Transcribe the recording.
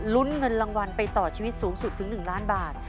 ลุ้นเงินรางวัลไปต่อชีวิตสูงสุดถึง๑ล้านบาท